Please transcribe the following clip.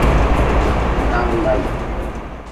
Nangbahi.